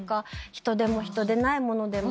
人でも人でないものでも。